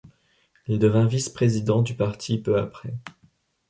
Il devint vice-président du parti peu après.